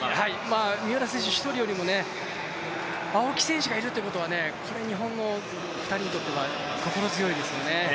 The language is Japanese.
三浦選手１人よりも、青木選手がいるということはこれ、日本の２人にとっては心強いですよね。